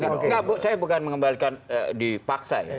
bukan saya bukan mengembalikan dipaksa ya